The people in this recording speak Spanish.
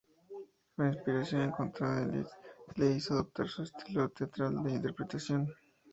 La inspiración encontrada en Liszt, le hizo adoptar su estilo teatral de interpretación.